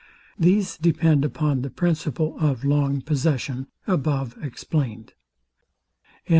These depend upon the principle of long possession above explain'd.